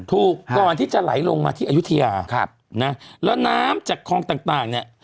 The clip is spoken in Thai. ถูกก่อนที่จะไหลลงมาที่อายุทยาครับนะแล้วน้ำจากคลองต่างเนี่ย